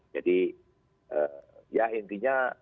jadi ya intinya